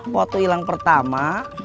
waktu hilang pertama